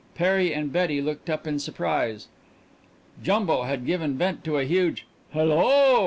Perry and Betty looked up in surprise. Jumbo had given vent to a huge "Hello!"